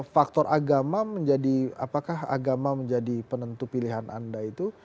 faktor agama menjadi apakah agama menjadi penentu pilihan anda itu